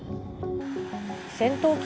戦闘機